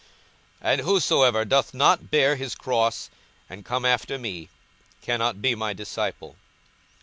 42:014:027 And whosoever doth not bear his cross, and come after me, cannot be my disciple.